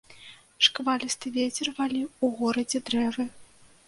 Шквалісты вецер валіў у горадзе дрэвы.